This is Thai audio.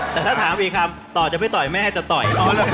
แต่ถ้าถามอีกคำต่อจะไม่ต่อยแม่จะต่อย